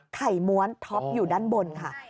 ม้วนท็อปอยู่ด้านบนค่ะ